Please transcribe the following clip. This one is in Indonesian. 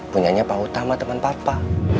punyanya pak utama teman papa